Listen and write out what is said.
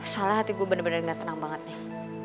salah hati gue bener bener gak tenang banget nih